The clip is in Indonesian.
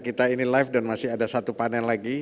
kita ini live dan masih ada satu panel lagi